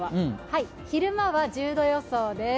昼間は１０度予想です。